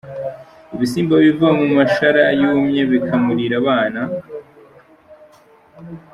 Ibisimba biva mu mashara yumye bikamurira abana .